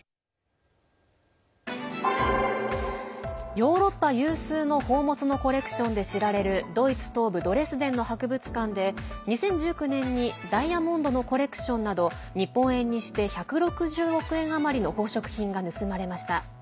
ヨーロッパ有数の宝物のコレクションで知られるドイツ東部ドレスデンの博物館で２０１９年にダイヤモンドのコレクションなど日本円にして１６０億円余りの宝飾品が盗まれました。